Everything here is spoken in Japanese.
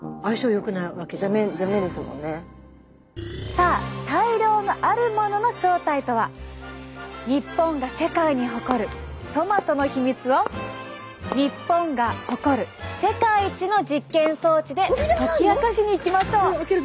さあ大量のあるものの正体とは？日本が世界に誇るトマトの秘密を日本が誇る世界一の実験装置で解き明かしに行きましょう！